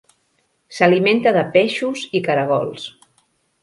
S'alimenta de peixos i caragols.